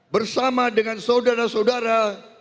bersama dengan saudara saudara